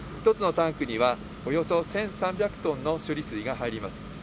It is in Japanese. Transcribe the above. １つのタンクにはおよそ１３００トンの処理水が入ります。